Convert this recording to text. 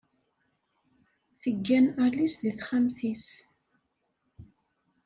Teggan Alice deg texxamt-is.